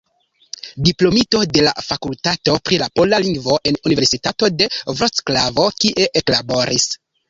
Diplomito de la fakultato pri la pola lingvo en Universitato de Vroclavo, kie eklaboris.